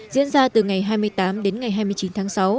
diễn ra từ ngày hai mươi tám đến ngày hai mươi chín tháng sáu